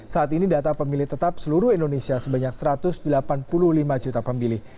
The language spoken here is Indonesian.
saat ini data pemilih tetap seluruh indonesia sebanyak satu ratus delapan puluh lima juta pemilih